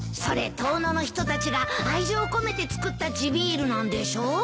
それ遠野の人たちが愛情込めて作った地ビールなんでしょ？